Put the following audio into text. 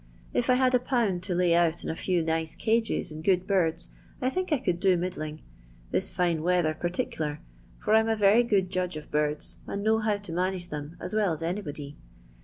If I had a pound to lay out in a few B^pia and good birds, I think I eould do log, this fine weather particlcr, for I 'm a good judge of birds, and know how to ft thtoi as well as anybody.